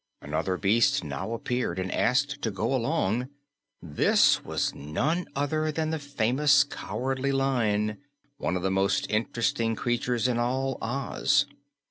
Another great beast now appeared and asked to go along. This was none other than the famous Cowardly Lion, one of the most interesting creatures in all Oz.